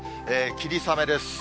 霧雨です。